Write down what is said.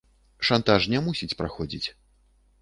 Шантаж не мусіць праходзіць.